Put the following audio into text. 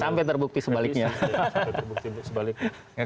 sampai terbukti sebaliknya